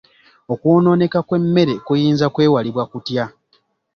Okwonooneka kw'emmere kuyinza kwewalibwa kutya?